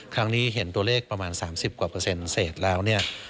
ครั้งนี้เห็นตัวเลขประมาณ๓๐เสร็จแล้ว